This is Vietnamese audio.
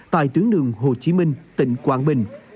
tại tuyến đường hồ chí minh tỉnh quảng bình